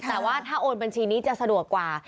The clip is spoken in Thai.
แต่ว่าถ้าโอนบัญชีนี้จะสะดวกกว่า